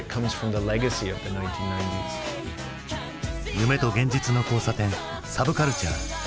夢と現実の交差点サブカルチャー。